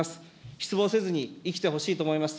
失望せずに生きてほしいと思います。